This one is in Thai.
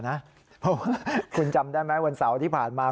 เพราะว่าคุณจำได้ไหมวันเสาร์ที่ผ่านมา